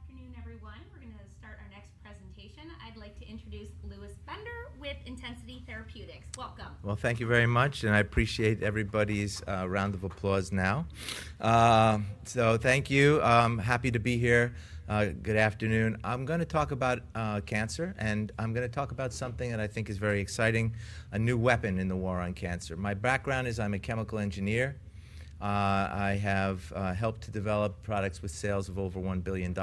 Okay, good afternoon, everyone. We're going to start our next presentation. I'd like to introduce Lewis Bender with Intensity Therapeutics. Welcome. Well, thank you very much, and I appreciate everybody's round of applause now. So thank you, happy to be here. Good afternoon. I'm going to talk about cancer, and I'm going to talk about something that I think is very exciting: a new weapon in the war on cancer. My background is I'm a chemical engineer. I have helped to develop products with sales of over $1 billion,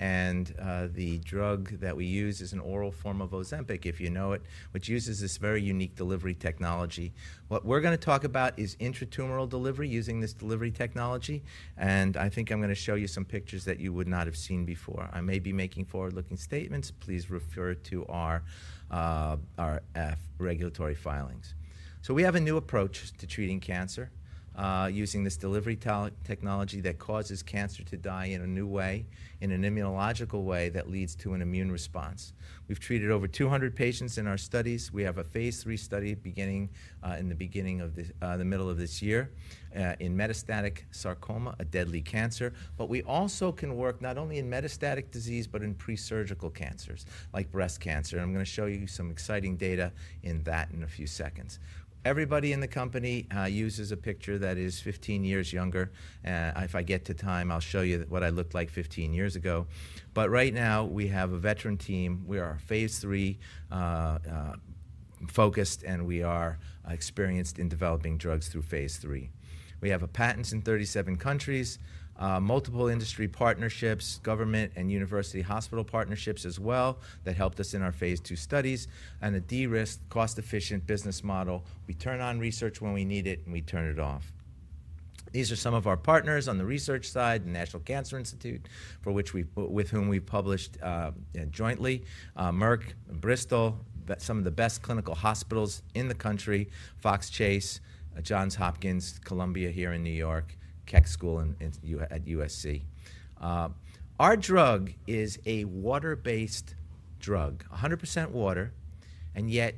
and the drug that we use is an oral form of Ozempic, if you know it, which uses this very unique delivery technology. What we're going to talk about is intratumoral delivery using this delivery technology, and I think I'm going to show you some pictures that you would not have seen before. I may be making forward-looking statements. Please refer to our regulatory filings. So we have a new approach to treating cancer, using this delivery technology that causes cancer to die in a new way, in an immunological way that leads to an immune response. We've treated over 200 patients in our studies. We have a phase III study beginning, in the beginning of this, the middle of this year, in metastatic sarcoma, a deadly cancer. But we also can work not only in metastatic disease but in presurgical cancers, like breast cancer, and I'm going to show you some exciting data in that in a few seconds. Everybody in the company uses a picture that is 15 years younger. If I get to time, I'll show you what I looked like 15 years ago. But right now we have a veteran team. We are phase III, focused, and we are experienced in developing drugs through phase III. We have patents in 37 countries, multiple industry partnerships, government and university hospital partnerships as well that helped us in our phase II studies, and a de-risked, cost-efficient business model. We turn on research when we need it, and we turn it off. These are some of our partners on the research side: the National Cancer Institute, with whom we've published jointly, Merck, Bristol, some of the best clinical hospitals in the country, Fox Chase, Johns Hopkins, Columbia here in New York, Keck School in USC. Our drug is a water-based drug, 100% water, and yet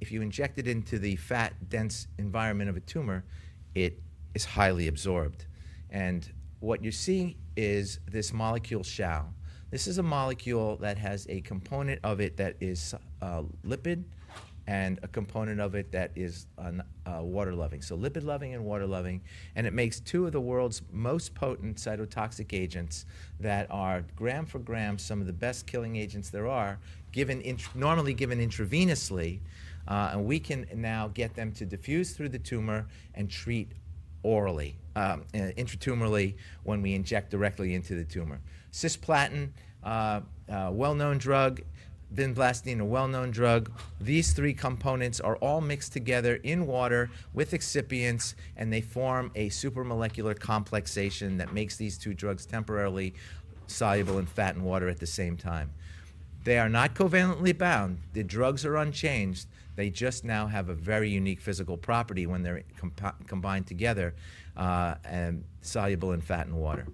if you inject it into the fat-dense environment of a tumor, it is highly absorbed. And what you're seeing is this molecule shell. This is a molecule that has a component of it that is lipid and a component of it that is water-loving. So lipid-loving and water-loving, and it makes 2 of the world's most potent cytotoxic agents that are gram-for-gram some of the best killing agents there are, given intravenously, and we can now get them to diffuse through the tumor and treat orally, intratumorally when we inject directly into the tumor. Cisplatin, well-known drug. Vinblastine, a well-known drug. These three components are all mixed together in water with excipients, and they form a supramolecular complexation that makes these two drugs temporarily soluble in fat and water at the same time. They are not covalently bound. The drugs are unchanged. They just now have a very unique physical property when they're combined together, and soluble in fat and water.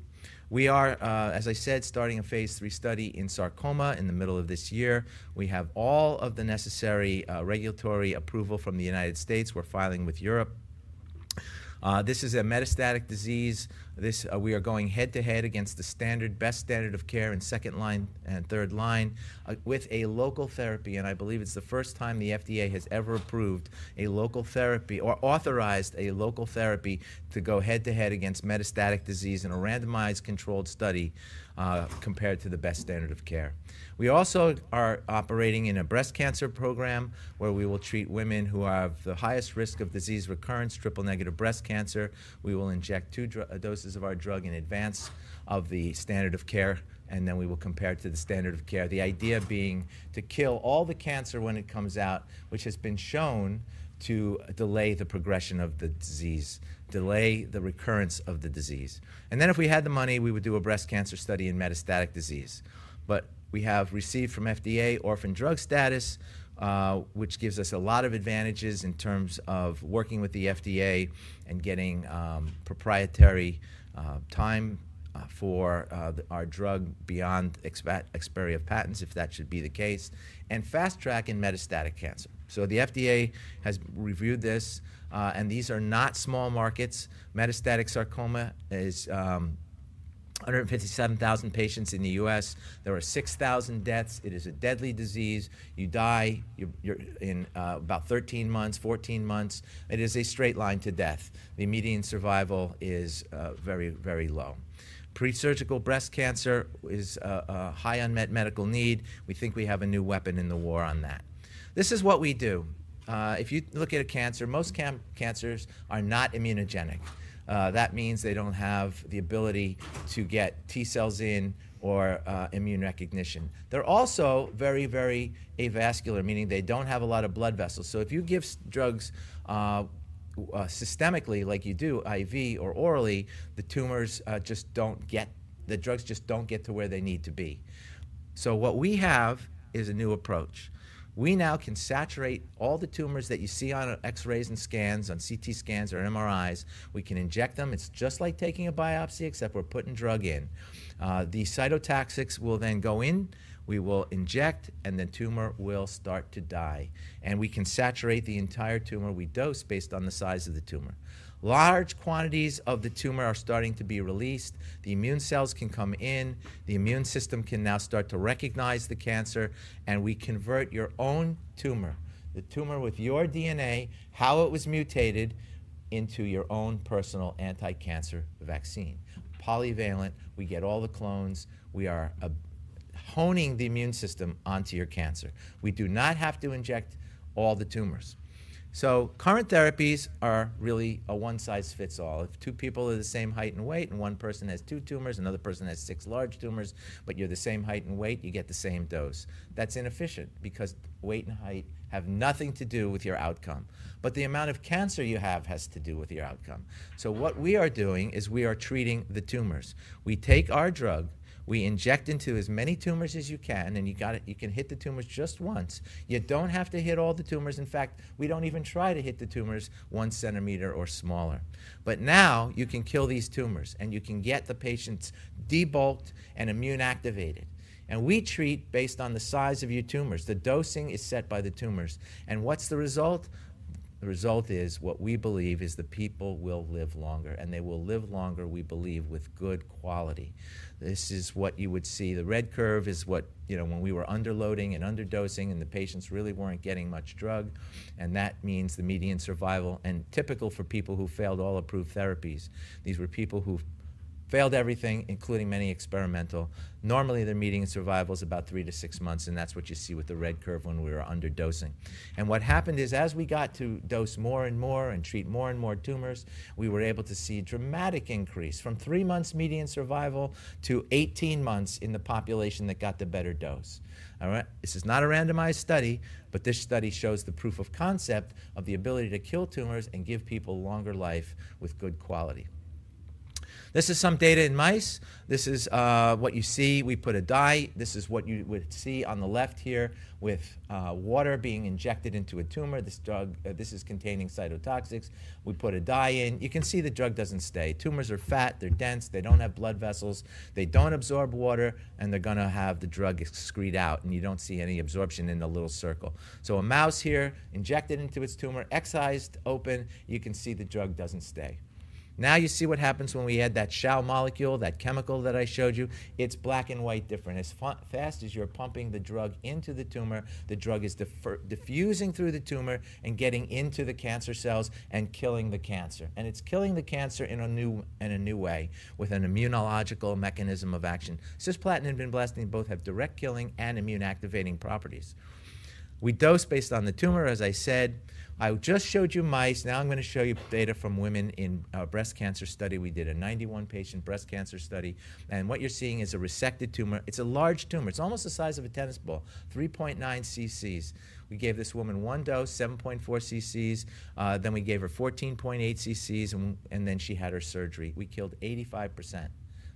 We are, as I said, starting a Phase III study in sarcoma in the middle of this year. We have all of the necessary regulatory approval from the United States. We're filing with Europe. This is a metastatic disease. This, we are going head-to-head against the standard, best standard of care in second line and third line, with a local therapy, and I believe it's the first time the FDA has ever approved a local therapy or authorized a local therapy to go head-to-head against metastatic disease in a randomized controlled study, compared to the best standard of care. We also are operating in a breast cancer program where we will treat women who have the highest risk of disease recurrence, triple-negative breast cancer. We will inject two doses of our drug in advance of the standard of care, and then we will compare it to the standard of care, the idea being to kill all the cancer when it comes out, which has been shown to delay the progression of the disease, delay the recurrence of the disease. Then if we had the money, we would do a breast cancer study in metastatic disease. But we have received from FDA orphan drug status, which gives us a lot of advantages in terms of working with the FDA and getting proprietary time for our drug beyond expiry of patents, if that should be the case, and fast-track in metastatic cancer. So the FDA has reviewed this, and these are not small markets. Metastatic sarcoma is 157,000 patients in the U.S. There are 6,000 deaths. It is a deadly disease. You die, you're in about 13 months, 14 months. It is a straight line to death. The median survival is very, very low. Presurgical breast cancer is high unmet medical need. We think we have a new weapon in the war on that. This is what we do. If you look at a cancer, most common cancers are not immunogenic. That means they don't have the ability to get T cells in or immune recognition. They're also very, very avascular, meaning they don't have a lot of blood vessels. So if you give systemic drugs systemically like you do, IV or orally, the tumors just don't get the drugs just don't get to where they need to be. So what we have is a new approach. We now can saturate all the tumors that you see on X-rays and scans, on CT scans or MRIs. We can inject them. It's just like taking a biopsy, except we're putting drug in. The cytotoxics will then go in. We will inject, and the tumor will start to die. And we can saturate the entire tumor. We dose based on the size of the tumor. Large quantities of the tumor are starting to be released. The immune cells can come in. The immune system can now start to recognize the cancer, and we convert your own tumor, the tumor with your DNA, how it was mutated, into your own personal anti-cancer vaccine. Polyvalent. We get all the clones. We are, honing the immune system onto your cancer. We do not have to inject all the tumors. So current therapies are really a one-size-fits-all. If two people are the same height and weight and one person has two tumors, another person has six large tumors, but you're the same height and weight, you get the same dose. That's inefficient because weight and height have nothing to do with your outcome, but the amount of cancer you have has to do with your outcome. So what we are doing is we are treating the tumors. We take our drug. We inject into as many tumors as you can, and you got it. You can hit the tumors just once. You don't have to hit all the tumors. In fact, we don't even try to hit the tumors one centimeter or smaller. But now you can kill these tumors, and you can get the patients debulked and immune-activated. And we treat based on the size of your tumors. The dosing is set by the tumors. And what's the result? The result is what we believe is the people will live longer, and they will live longer, we believe, with good quality. This is what you would see. The red curve is what, you know, when we were underloading and underdosing and the patients really weren't getting much drug, and that means the median survival and typical for people who failed all approved therapies. These were people who failed everything, including many experimental. Normally, their median survival is about 3-6 months, and that's what you see with the red curve when we were underdosing. And what happened is as we got to dose more and more and treat more and more tumors, we were able to see a dramatic increase from 3 months median survival to 18 months in the population that got the better dose. All right? This is not a randomized study, but this study shows the proof of concept of the ability to kill tumors and give people longer life with good quality. This is some data in mice. This is what you see. We put a dye. This is what you would see on the left here with water being injected into a tumor. This drug, this is containing cytotoxics. We put a dye in. You can see the drug doesn't stay. Tumors are fat. They're dense. They don't have blood vessels. They don't absorb water, and they're going to have the drug excreted out, and you don't see any absorption in the little circle. So a mouse here, injected into its tumor, excised open, you can see the drug doesn't stay. Now you see what happens when we add that shell molecule, that chemical that I showed you. It's black and white different. As fast as you're pumping the drug into the tumor, the drug is diffusing through the tumor and getting into the cancer cells and killing the cancer. And it's killing the cancer in a new way with an immunological mechanism of action. Cisplatin and vinblastine both have direct killing and immune-activating properties. We dose based on the tumor, as I said. I just showed you mice. Now I'm going to show you data from women in a breast cancer study. We did a 91-patient breast cancer study, and what you're seeing is a resected tumor. It's a large tumor. It's almost the size of a tennis ball, 3.9 cc. We gave this woman one dose, 7.4 cc, then we gave her 14.8 cc, and then she had her surgery. We killed 85%,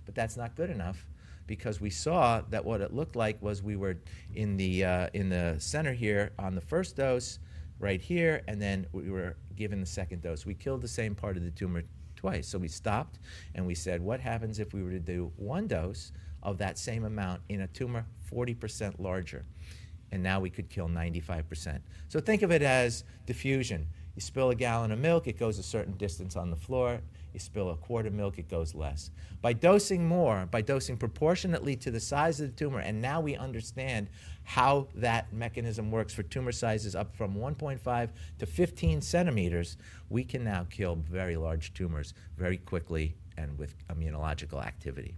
but that's not good enough because we saw that what it looked like was we were in the, in the center here on the first dose right here, and then we were given the second dose. We killed the same part of the tumor twice. So we stopped, and we said, "What happens if we were to do one dose of that same amount in a tumor 40% larger, and now we could kill 95%?" So think of it as diffusion. You spill a gallon of milk. It goes a certain distance on the floor. You spill a quart of milk. It goes less. By dosing more, by dosing proportionately to the size of the tumor, and now we understand how that mechanism works for tumor sizes up from 1.5-15 centimeters, we can now kill very large tumors very quickly and with immunological activity.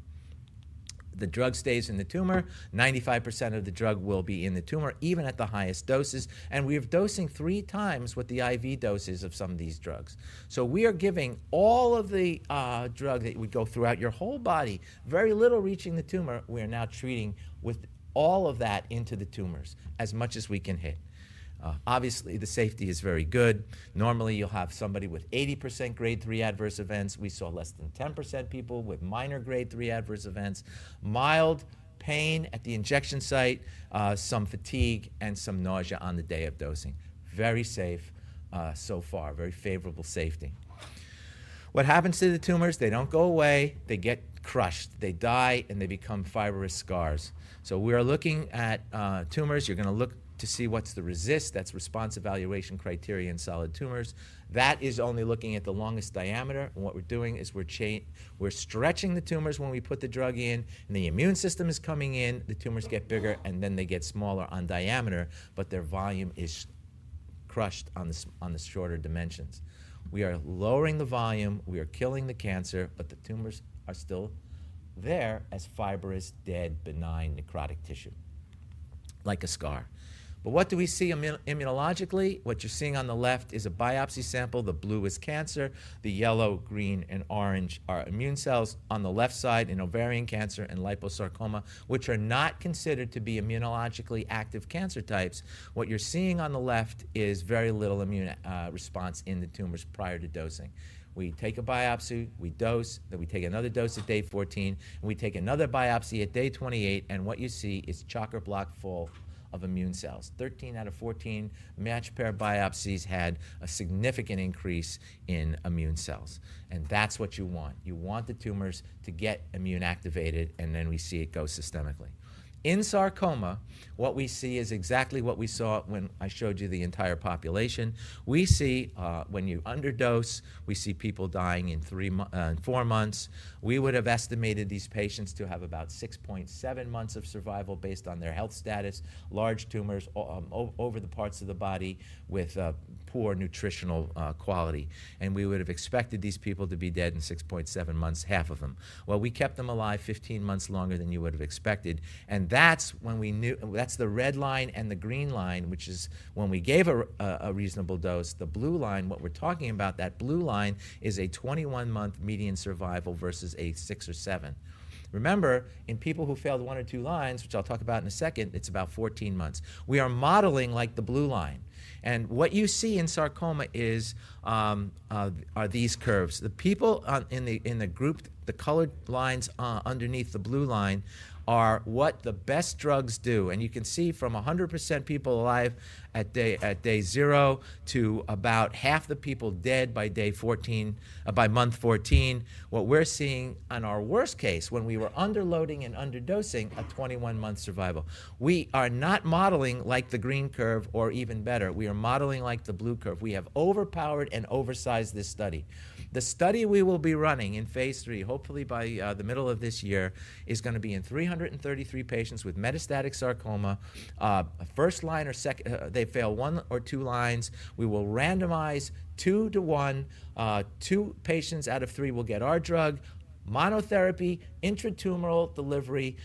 The drug stays in the tumor. 95% of the drug will be in the tumor even at the highest doses, and we are dosing three times what the IV dose is of some of these drugs. So we are giving all of the, drug that would go throughout your whole body, very little reaching the tumor. We are now treating with all of that into the tumors as much as we can hit. Obviously, the safety is very good. Normally, you'll have somebody with 80% grade III adverse events. We saw less than 10% people with minor grade III adverse events, mild pain at the injection site, some fatigue, and some nausea on the day of dosing. Very safe, so far, very favorable safety. What happens to the tumors? They don't go away. They get crushed. They die, and they become fibrous scars. So we are looking at, tumors. You're going to look to see what's the RECIST. That's Response Evaluation Criteria in Solid Tumors. That is only looking at the longest diameter, and what we're doing is we're changing, we're stretching the tumors when we put the drug in, and the immune system is coming in. The tumors get bigger, and then they get smaller on diameter, but their volume is crushed on the shorter dimensions. We are lowering the volume. We are killing the cancer, but the tumors are still there as fibrous, dead, benign necrotic tissue like a scar. But what do we see immunologically? What you're seeing on the left is a biopsy sample. The blue is cancer. The yellow, green, and orange are immune cells. On the left side, in ovarian cancer and liposarcoma, which are not considered to be immunologically active cancer types, what you're seeing on the left is very little immune response in the tumors prior to dosing. We take a biopsy. We dose. Then we take another dose at day 14. We take another biopsy at day 28, and what you see is tumor block full of immune cells. 13 out of 14 matched-pair biopsies had a significant increase in immune cells, and that's what you want. You want the tumors to get immune-activated, and then we see it go systemically. In sarcoma, what we see is exactly what we saw when I showed you the entire population. We see, when you underdose, we see people dying in 3 months in 4 months. We would have estimated these patients to have about 6.7 months of survival based on their health status, large tumors, over the parts of the body with poor nutritional quality, and we would have expected these people to be dead in 6.7 months, half of them. Well, we kept them alive 15 months longer than you would have expected, and that's when we knew that's the red line and the green line, which is when we gave a reasonable dose. The blue line, what we're talking about, that blue line is a 21-month median survival versus a 6 or 7. Remember, in people who failed 1 or 2 lines, which I'll talk about in a second, it's about 14 months. We are modeling like the blue line, and what you see in sarcoma is, are these curves. The people in the group, the colored lines, underneath the blue line are what the best drugs do, and you can see from 100% people alive at day 0 to about half the people dead by day 14 by month 14, what we're seeing on our worst case when we were underloading and underdosing, a 21-month survival. We are not modeling like the green curve or even better. We are modeling like the blue curve. We have overpowered and oversized this study. The study we will be running in phase 3, hopefully by the middle of this year, is going to be in 333 patients with metastatic sarcoma, first line or second they fail one or two lines. We will randomize 2 to 1. 2 patients out of 3 will get our drug, monotherapy, intratumoral delivery,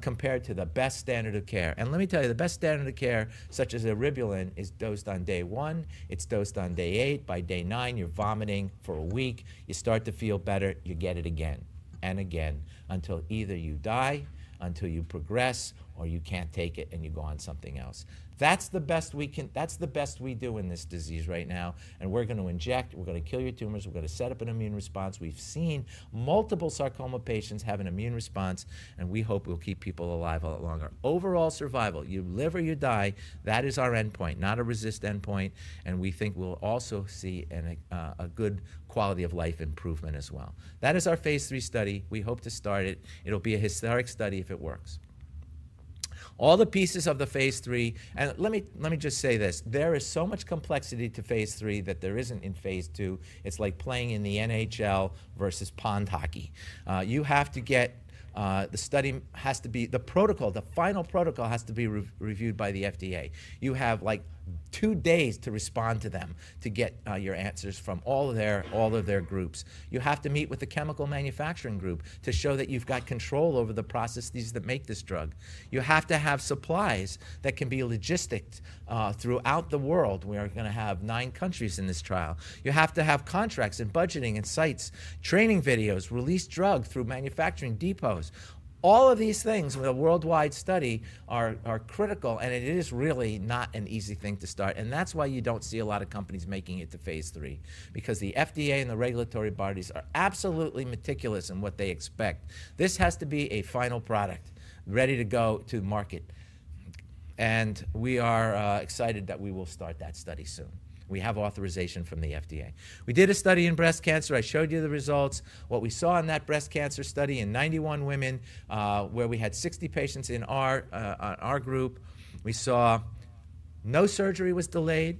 compared to the best standard of care. And let me tell you, the best standard of care, such as eribulin, is dosed on day 1. It's dosed on day 8. By day 9, you're vomiting for a week. You start to feel better. You get it again and again until either you die, until you progress, or you can't take it, and you go on something else. That's the best we do in this disease right now, and we're going to inject. We're going to kill your tumors. We're going to set up an immune response. We've seen multiple sarcoma patients have an immune response, and we hope we'll keep people alive a lot longer. Overall survival, you live or you die, that is our endpoint, not a RECIST endpoint, and we think we'll also see a good quality of life improvement as well. That is our phase three study. We hope to start it. It'll be a historic study if it works. All the pieces of the phase three and let me just say this. There is so much complexity to phase three that there isn't in phase two. It's like playing in the NHL versus pond hockey. You have to get the study, the protocol, the final protocol, has to be reviewed by the FDA. You have, like, two days to respond to them to get your answers from all of their groups. You have to meet with the chemical manufacturing group to show that you've got control over the processes that make this drug. You have to have supplies that can be logistic throughout the world. We are going to have nine countries in this trial. You have to have contracts and budgeting and sites, training videos, release drug through manufacturing depots. All of these things with a worldwide study are critical, and it is really not an easy thing to start, and that's why you don't see a lot of companies making it to phase three because the FDA and the regulatory bodies are absolutely meticulous in what they expect. This has to be a final product ready to go to market, and we are excited that we will start that study soon. We have authorization from the FDA. We did a study in breast cancer. I showed you the results. What we saw in that breast cancer study in 91 women, where we had 60 patients in our group, we saw no surgery was delayed.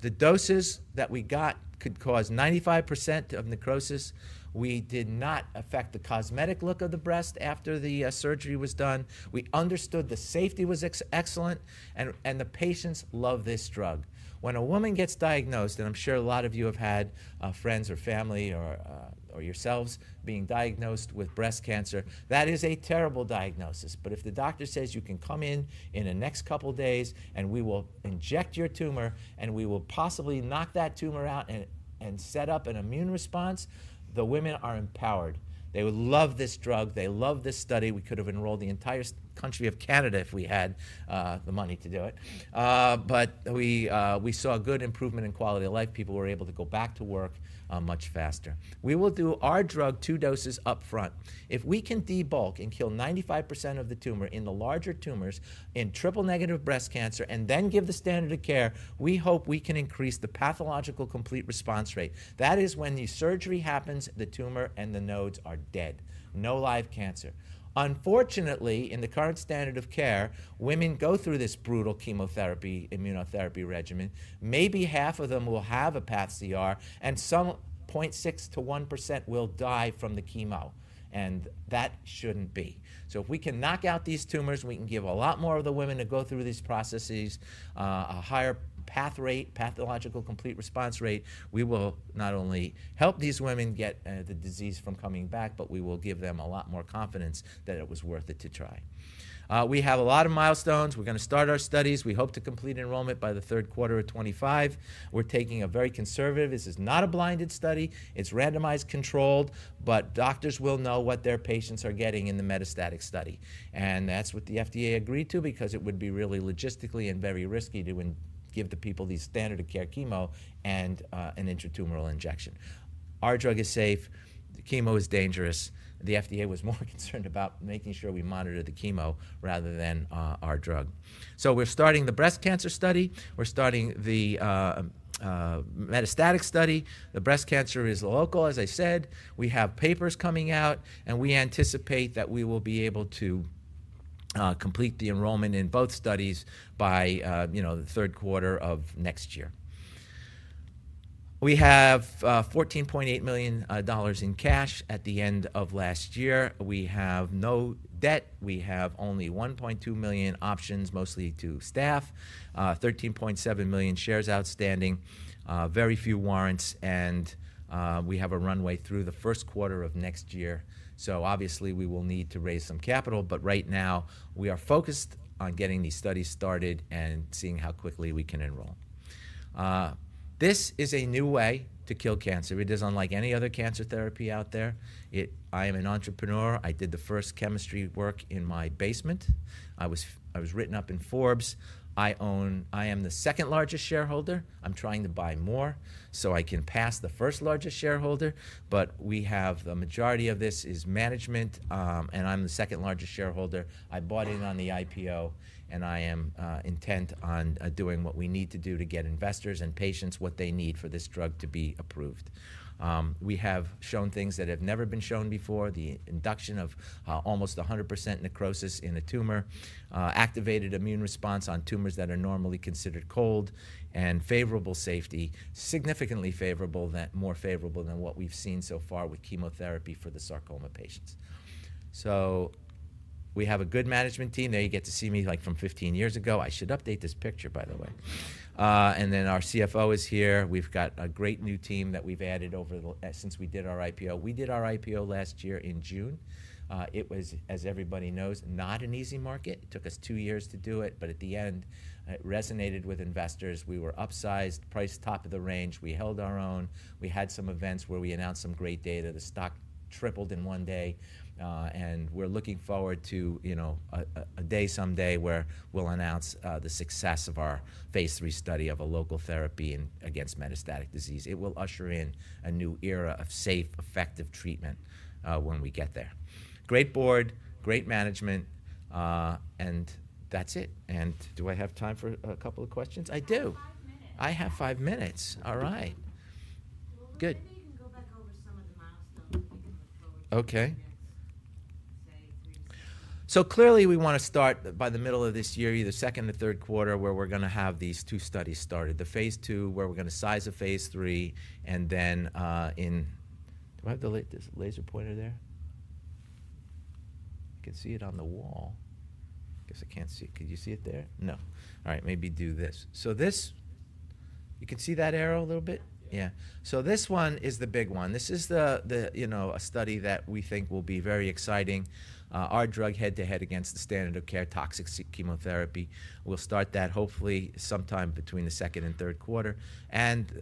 The doses that we got could cause 95% of necrosis. We did not affect the cosmetic look of the breast after the surgery was done. We understood the safety was excellent, and the patients love this drug. When a woman gets diagnosed, and I'm sure a lot of you have had friends or family or, or yourselves being diagnosed with breast cancer, that is a terrible diagnosis, but if the doctor says you can come in in the next couple of days, and we will inject your tumor, and we will possibly knock that tumor out and, and set up an immune response, the women are empowered. They would love this drug. They love this study. We could have enrolled the entire country of Canada if we had the money to do it, but we, we saw a good improvement in quality of life. People were able to go back to work much faster. We will do our drug two doses upfront. If we can debulk and kill 95% of the tumor in the larger tumors in triple-negative breast cancer and then give the standard of care, we hope we can increase the pathological complete response rate. That is when the surgery happens, the tumor, and the nodes are dead, no live cancer. Unfortunately, in the current standard of care, women go through this brutal chemotherapy, immunotherapy regimen. Maybe half of them will have a pCR, and some 0.6%-1% will die from the chemo, and that shouldn't be. So if we can knock out these tumors, we can give a lot more of the women to go through these processes, a higher pCR rate, pathological complete response rate. We will not only help these women get, the disease from coming back, but we will give them a lot more confidence that it was worth it to try. We have a lot of milestones. We're going to start our studies. We hope to complete enrollment by the third quarter of 2025. We're taking a very conservative. This is not a blinded study. It's randomized controlled, but doctors will know what their patients are getting in the metastatic study, and that's what the FDA agreed to because it would be really logistically and very risky to give the people these standard-of-care chemo and an intratumoral injection. Our drug is safe. The chemo is dangerous. The FDA was more concerned about making sure we monitor the chemo rather than our drug. So we're starting the breast cancer study. We're starting the metastatic study. The breast cancer is local, as I said. We have papers coming out, and we anticipate that we will be able to complete the enrollment in both studies by, you know, the third quarter of next year. We have $14.8 million in cash at the end of last year. We have no debt. We have only 1.2 million options, mostly to staff, 13.7 million shares outstanding, very few warrants, and we have a runway through the first quarter of next year. So, obviously, we will need to raise some capital, but right now, we are focused on getting these studies started and seeing how quickly we can enroll. This is a new way to kill cancer. It is unlike any other cancer therapy out there. I am an entrepreneur. I did the first chemistry work in my basement. I was written up in Forbes. I own. I am the second-largest shareholder. I'm trying to buy more so I can pass the first-largest shareholder, but we have the majority of this is management, and I'm the second-largest shareholder. I bought in on the IPO, and I am intent on doing what we need to do to get investors and patients what they need for this drug to be approved. We have shown things that have never been shown before, the induction of almost 100% necrosis in a tumor, activated immune response on tumors that are normally considered cold, and favorable safety, significantly favorable that more favorable than what we've seen so far with chemotherapy for the sarcoma patients. So we have a good management team. There you get to see me, like, from 15 years ago. I should update this picture, by the way. And then our CFO is here. We've got a great new team that we've added over the since we did our IPO. We did our IPO last year in June. It was, as everybody knows, not an easy market. It took us two years to do it, but at the end, it resonated with investors. We were upsized, priced top of the range. We held our own. We had some events where we announced some great data. The stock tripled in one day, and we're looking forward to, you know, a day someday where we'll announce the success of our phase three study of a local therapy and against metastatic disease. It will usher in a new era of safe, effective treatment, when we get there. Great board, great management, and that's it. And do I have time for a couple of questions? I do. Five minutes. I have five minutes. All right. Good. Maybe you can go back over some of the milestones that we can look forward to in the next, say, 3-6 months. So clearly, we want to start by the middle of this year, either second or third quarter, where we're going to have these two studies started, the phase 2, where we're going to size a phase 3, and then, do I have the laser pointer there? I can see it on the wall. I guess I can't see it. Could you see it there? No. All right. Maybe do this. So this you can see that arrow a little bit? Yeah. So this one is the big one. This is the, the, you know, a study that we think will be very exciting, our drug head-to-head against the standard-of-care toxic chemotherapy. We'll start that, hopefully, sometime between the second and third quarter, and,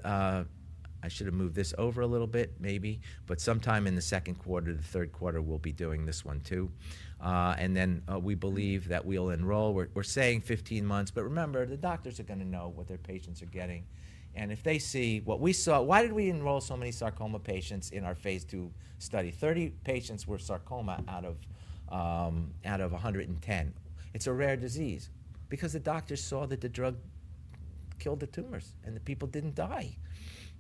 I should have moved this over a little bit, maybe, but sometime in the second quarter, the third quarter, we'll be doing this one too. And then, we believe that we'll enroll. We're saying 15 months, but remember, the doctors are going to know what their patients are getting, and if they see what we saw, why did we enroll so many sarcoma patients in our phase 2 study? 30 patients were sarcoma out of 110. It's a rare disease because the doctors saw that the drug killed the tumors, and the people didn't die.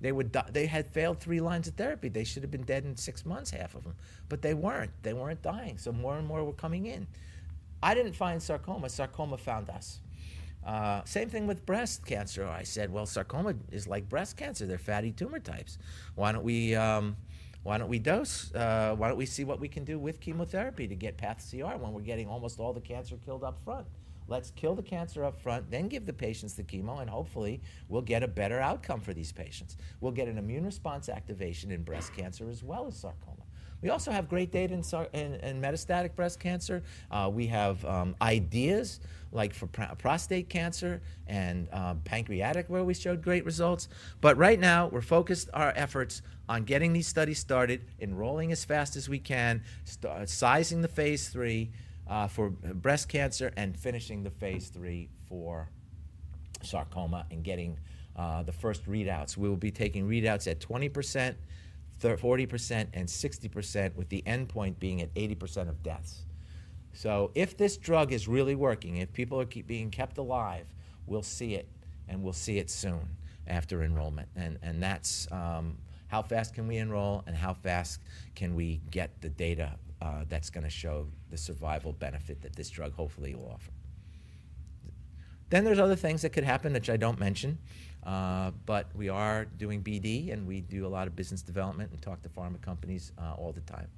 They would die they had failed three lines of therapy. They should have been dead in six months, half of them, but they weren't. They weren't dying, so more and more were coming in. I didn't find sarcoma. Sarcoma found us. Same thing with breast cancer. I said, "Well, sarcoma is like breast cancer. They're fatty tumor types. Why don't we, why don't we dose? Why don't we see what we can do with chemotherapy to get pCR when we're getting almost all the cancer killed upfront? Let's kill the cancer upfront, then give the patients the chemo, and hopefully, we'll get a better outcome for these patients. We'll get an immune response activation in breast cancer as well as sarcoma. We also have great data in sarcoma in metastatic breast cancer. We have ideas, like, for prostate cancer and pancreatic, where we showed great results, but right now, we're focused our efforts on getting these studies started, enrolling as fast as we can, starting the phase 3 for breast cancer, and finishing the phase 3 for sarcoma and getting the first readouts. We will be taking readouts at 20%, 30%, and 40%, with the endpoint being at 80% of deaths. So if this drug is really working, if people are keep being kept alive, we'll see it, and we'll see it soon after enrollment, and that's, how fast can we enroll and how fast can we get the data, that's going to show the survival benefit that this drug hopefully will offer. Then there's other things that could happen which I don't mention, but we are doing BD, and we do a lot of business development and talk to pharma companies, all the time,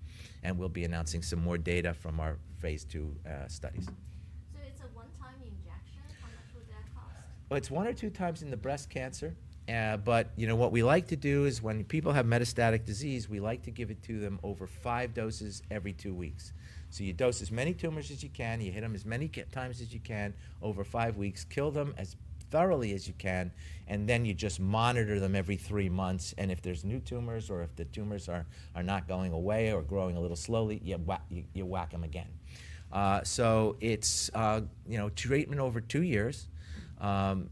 and we'll be announcing some more data from our phase 2 studies. So it's a one-time injection. How much would that cost? Well, it's 1 or 2 times in the breast cancer, but, you know, what we like to do is when people have metastatic disease, we like to give it to them over 5 doses every 2 weeks. So you dose as many tumors as you can. You hit them as many key times as you can over 5 weeks, kill them as thoroughly as you can, and then you just monitor them every 3 months, and if there's new tumors or if the tumors are not going away or growing a little slowly, you whack them again. So it's, you know, treatment over 2 years.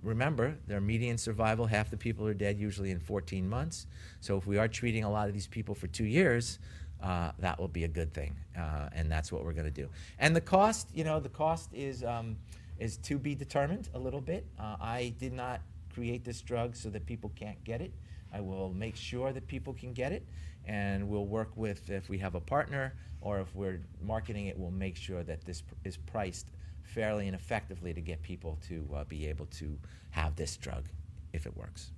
Remember, their median survival, half the people are dead, usually in 14 months, so if we are treating a lot of these people for 2 years, that will be a good thing, and that's what we're going to do. The cost, you know, the cost is to be determined a little bit. I did not create this drug so that people can't get it. I will make sure that people can get it, and we'll work with if we have a partner or if we're marketing it, we'll make sure that this is priced fairly and effectively to get people to, be able to have this drug if it works.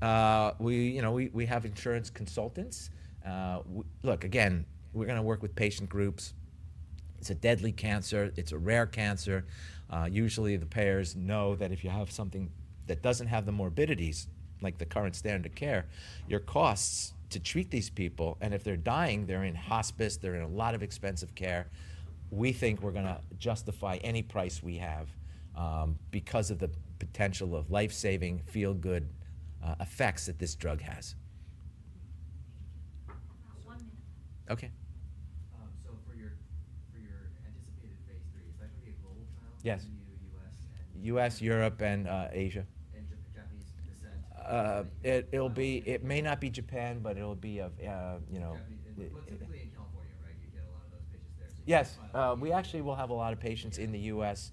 Have a insurance partner? We, you know, we have insurance consultants. We look, again, we're going to work with patient groups. It's a deadly cancer. It's a rare cancer. Usually, the payers know that if you have something that doesn't have the morbidities, like the current standard of care, your costs to treat these people, and if they're dying, they're in hospice. They're in a lot of expensive care. We think we're going to justify any price we have, because of the potential of life-saving, feel-good effects that this drug has. Thank you. About one minute left. Okay, so for your anticipated phase 3, is that going to be a global trial? Yes. In the U.S., Europe, and Asia. And Japanese descent? It'll be; it may not be Japan, but it'll be of, you know, Japanese descent. But typically in California, right? You get a lot of those patients there, so you can file them. Yes, we actually will have a lot of patients in the U.S.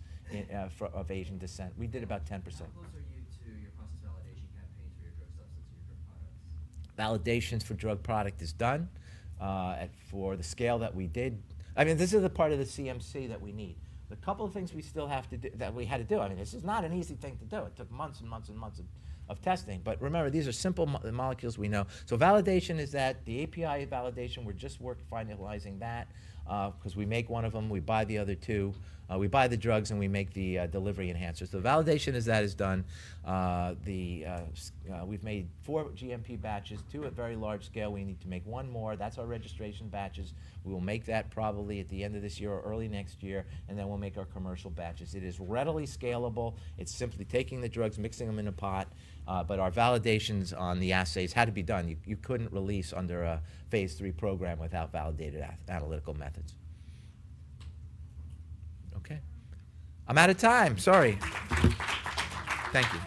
of Asian descent. We did about 10%. How close are you to your process validation campaigns for your drug substance or your drug products? Validations for drug product is done at the scale that we did. I mean, this is the part of the CMC that we need. A couple of things we still have to do that we had to do. I mean, this is not an easy thing to do. It took months and months and months of testing, but remember, these are simple molecules we know. So validation is that the API validation, we're just working finalizing that, because we make one of them. We buy the other two. We buy the drugs, and we make the delivery enhancers. So validation is that is done. We've made 4 GMP batches, 2 at very large scale. We need to make 1 more. That's our registration batches. We will make that probably at the end of this year or early next year, and then we'll make our commercial batches. It is readily scalable. It's simply taking the drugs, mixing them in a pot, but our validations on the assays had to be done. You couldn't release under a phase three program without validated analytical methods. Okay. I'm out of time. Sorry. Thank you.